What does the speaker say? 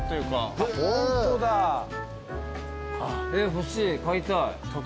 欲しい買いたい。